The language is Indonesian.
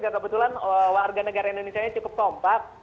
dan kebetulan warga negara indonesia cukup kompak